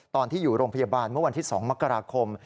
ตอนที่อยู่โรงพยาบาลเมื่อวันที่๒มกราคม